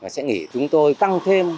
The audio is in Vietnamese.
sẽ nghĩ chúng tôi tăng thêm